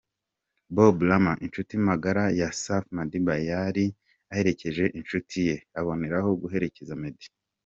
Bad Rama inshuti magara ya Safi Madiba yari aherekeje inshuti ye aboneraho guherekeza Meddy.